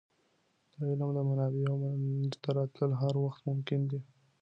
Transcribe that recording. د علم د منابعو منځته راتلل هر وخت ممکن دی.